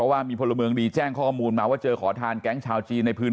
ว่ามีพลเมืองดีแจ้งข้อมูลมาว่าเจอขอทานแก๊งชาวจีนในพื้น